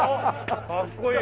かっこいい！